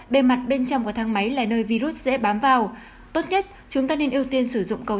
bề mặt bên trong có thang máy là nơi virus dễ bám vào tốt nhất chúng ta nên ưu tiên sử dụng cầu